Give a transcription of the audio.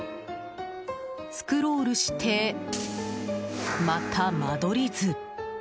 スクロールして、また間取り図。